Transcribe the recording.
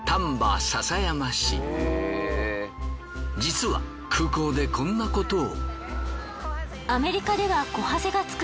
実は空港でこんなことを。